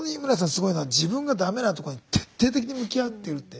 すごいのは自分が駄目なとこに徹底的に向き合ってるって。